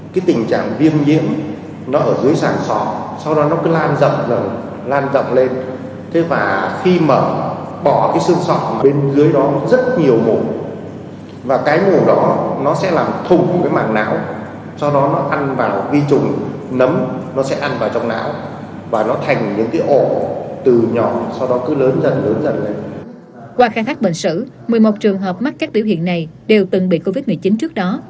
qua khai thác bệnh sử một mươi một trường hợp mắc các biểu hiện này đều từng bị covid một mươi chín trước đó